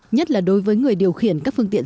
nhất là đối với người điều khiển các phương tiện